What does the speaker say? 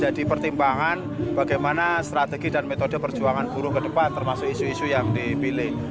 jadi pertimbangan bagaimana strategi dan metode perjuangan buruh ke depan termasuk isu isu yang dipilih